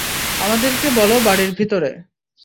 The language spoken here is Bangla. আমাদেরকে বলো বাড়ির ভিতরে?